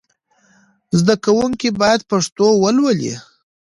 زدهکوونکي باید پښتو ولولي.